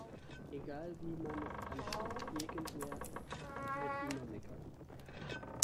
Egal wie man es anstellt, irgendwer wird immer meckern.